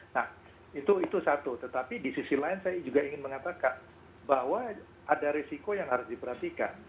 nah itu satu tetapi di sisi lain saya juga ingin mengatakan bahwa ada resiko yang harus diperhatikan